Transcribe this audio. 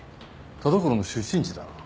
田所の出身地だな。